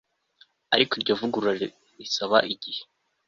Ariko iryo vugurura risaba igihe